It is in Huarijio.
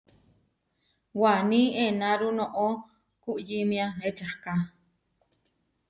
Waní enáru noʼó kuyímia ečaká.